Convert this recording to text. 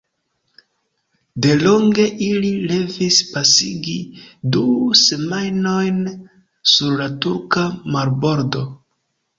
Delonge ili revis pasigi du semajnojn sur la turka marbordo.